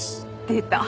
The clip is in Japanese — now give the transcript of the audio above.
出た！